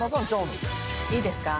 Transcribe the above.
いいですか。